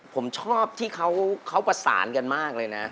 ผมชอบที่เขาประสานกันมากเลยนะ